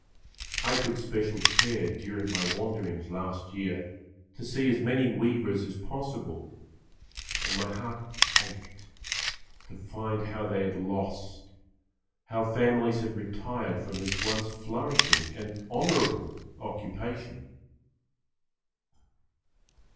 I took special care during my wanderings last year to see as many weavers as possible, and my heart ached to find how they had lost, how families had retired from this once flourishing and honourable occupation.